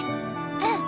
うん。